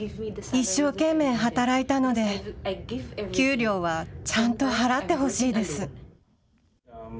一生懸命働いたので、給料はちゃんと払ってほしいです。